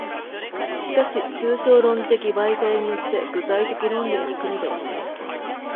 しかし抽象論理的媒介によって具体的論理に行くのではない。